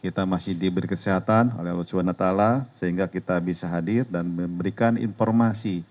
kita masih diberi kesehatan oleh allah swt sehingga kita bisa hadir dan memberikan informasi